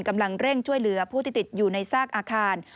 กำลังเร่งช่วยเหลือผู้ที่ติดอยู่ในซากอาคาร